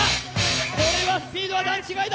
これはスピードが段違いだ。